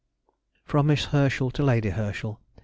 _] FROM MISS HERSCHEL TO LADY HERSCHEL.